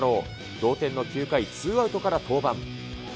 同点の９回、ツーアウトから登板。